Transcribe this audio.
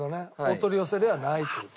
お取り寄せではないという。